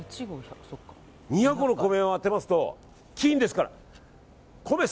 ２００合の米を当てますと金ですから。